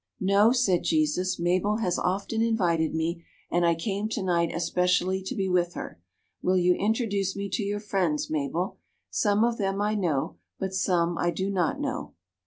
"'No,' said Jesus, 'Mabel has often invited me, and I came tonight especially to be with her. Will you introduce me to your friends, Mabel? Some of them I know, but some I do not know.'